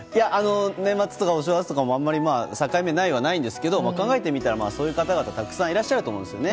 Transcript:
年末とかお正月とかも境目がないはないんですけど考えてみたらそういう方々、たくさんいらっしゃると思うんですよね。